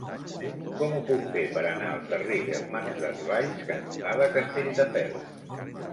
Com ho puc fer per anar al carrer Germans Desvalls cantonada Castelldefels?